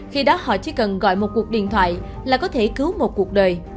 khi đó họ chỉ cần gọi một cuộc điện thoại là có thể cứu một cuộc đời